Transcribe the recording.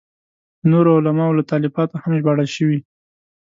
د نورو علماوو له تالیفاتو هم ژباړل شوي.